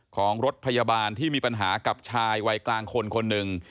ของรถพยาบาลที่มีปัญหากับชายวัยกลางคนคนหนึ่ง